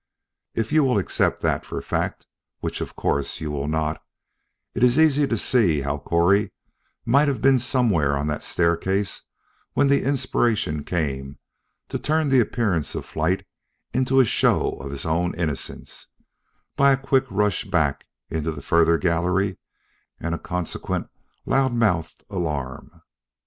If you will accept that for fact, which of course you will not, it is easy to see how Correy might have been somewhere on that staircase when the inspiration came to turn the appearance of flight into a show of his own innocence, by a quick rush back into the further gallery and a consequent loud mouthed alarm.